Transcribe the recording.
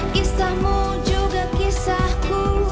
kisahmu juga kisahku